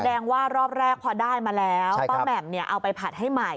ว่ารอบแรกพอได้มาแล้วป้าแหม่มเนี่ยเอาไปผัดให้ใหม่